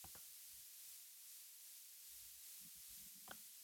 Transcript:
Los individuos juveniles son de color gris uniforme.